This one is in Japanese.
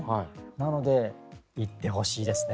なので、行ってほしいですね。